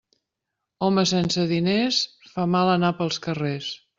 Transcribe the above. Home sense diners fa mal anar pels carrers.